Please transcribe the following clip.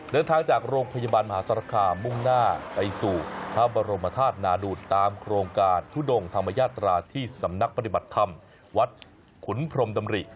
เดินทางจากโรงพยาบาลมหาสารคามมุ่งหน้าไปสู่พระบรมธาตุนาดูดตามโครงการทุดงธรรมญาตราที่สำนักปฏิบัติธรรมวัดขุนพรมดำริ